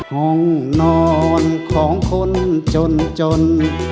ของนอนของคนจน